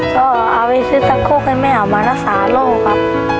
จะเอาไปซื้อชักโครกให้แม่เอามารักษาลูกครับ